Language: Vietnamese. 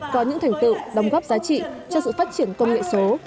có những thành tựu đóng góp giá trị cho sự phát triển công nghệ số